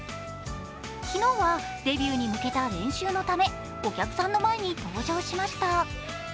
昨日はデビューに向けた練習のため、お客さんの前に登場しました。